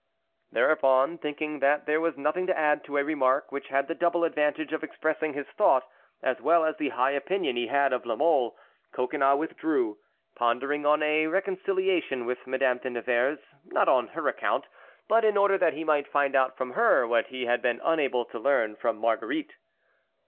Thereupon, thinking that there was nothing to add to a remark which had the double advantage of expressing his thought as well as the high opinion he had of La Mole, Coconnas withdrew, pondering on a reconciliation with Madame de Nevers, not on her account, but in order that he might find out from her what he had been unable to learn from Marguerite.